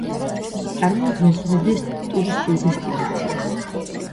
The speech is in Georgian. წარმოადგენს უდიდეს ტურისტულ დესტინაციას.